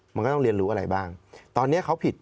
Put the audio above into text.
มันก็ต้องเรียนรู้อะไรบ้างตอนนี้เขาผิด